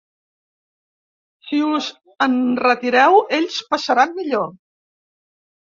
Si us enretireu, ells passaran millor.